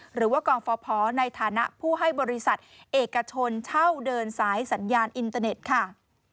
หรือว่ากองฟพในฐานะผู้ให้บริษัทเอกชนเช่าเดินสายสัญญาณอินเตอร์เน็ตค่ะ